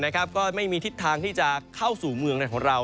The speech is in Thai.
ก็ไม่มีทิศทางที่จะเข้าสู่เมืองในของเรา